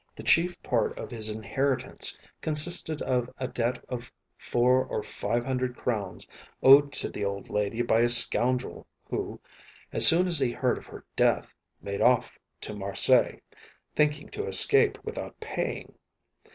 The chief part of his inheritance consisted of a debt of four or five hundred crowns owed to the old lady by a scoundrel who, as soon as he heard of her death, made off to Marseilles, thinking to escape without paying.